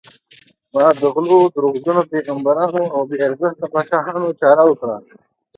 ما د غلو، دروغجنو پیغمبرانو او بې ارزښته پاچاهانو چاره وکړه.